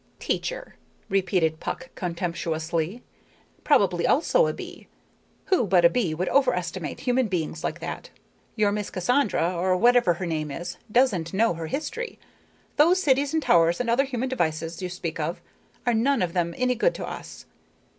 "Teacher!" repeated Puck contemptuously. "Probably also a bee. Who but a bee would overestimate human beings like that? Your Miss Cassandra, or whatever her name is, doesn't know her history. Those cities and towers and other human devices you speak of are none of them any good to us.